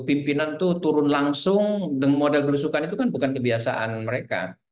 pimpinan itu turun langsung model belusukan itu kan bukan kebiasaan mereka